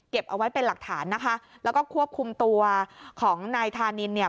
เอาไว้เป็นหลักฐานนะคะแล้วก็ควบคุมตัวของนายธานินเนี่ย